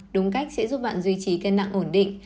đúng cách sẽ giúp bạn duy trì cân nặng ổn định